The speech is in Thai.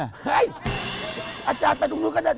เฮ้ยอาจารย์ไปตรงนู้นกัน